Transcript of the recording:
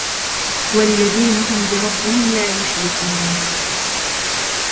وَالَّذِينَ هُمْ بِرَبِّهِمْ لَا يُشْرِكُونَ